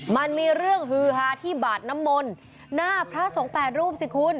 มันมีเรื่องฮือฮาที่บาดน้ำมนต์หน้าพระสงฆ์๘รูปสิคุณ